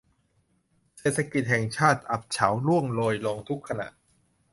เศรษฐกิจแห่งชาติอับเฉาร่วงโรยลงทุกขณะ